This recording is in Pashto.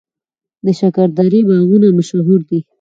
د شکردرې باغونه مشهور دي